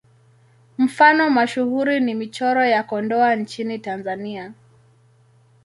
Mfano mashuhuri ni Michoro ya Kondoa nchini Tanzania.